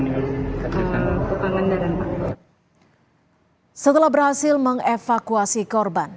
tim sargabungan berhasil mengevakuasi korban